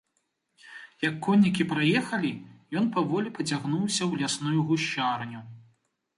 Як коннікі праехалі, ён паволі пацягнуўся ў лясную гушчарню.